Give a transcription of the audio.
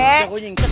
ya gue nyingket